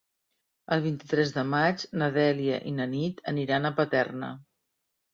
El vint-i-tres de maig na Dèlia i na Nit aniran a Paterna.